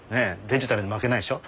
デジタルに負けないでしょ。